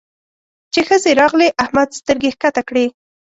چې ښځې راغلې؛ احمد سترګې کښته کړې.